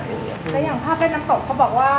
แต่อย่างภาพเล่นน้ำตกเขาบอกว่า